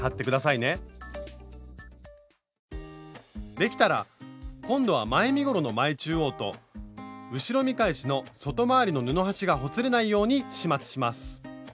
できたら今度は前身ごろの前中央と後ろ見返しの外回りの布端がほつれないように始末します。